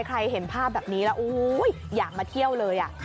ใครเห็นภาพว่ะเนี่ยอยากมาเที่ยวเลย